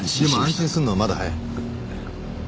でも安心するのはまだ早い。